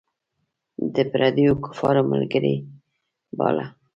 د پردیو کفارو ملګری باله.